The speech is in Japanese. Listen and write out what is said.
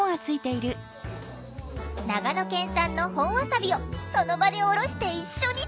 長野県産の本わさびをその場でおろして一緒に食べる！